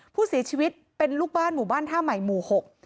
ผู้เสียชีวิตเป็นลูกบ้านหมู่บ้านท่าใหม่หมู่หก